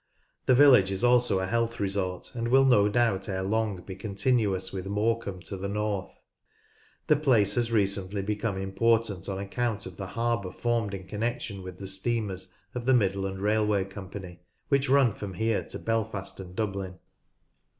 The village is also a health resort, and will no doubt ere long be continuous with Morecambe to the north. The place has recently become important on account of the harbour formed in connection with the steamers of the Midland Railway Company which run from here to Belfast and Dublin.